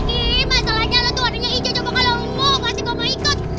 ih masalahnya lu tuh warnanya hijau juga kalo mau pasti gua mau ikut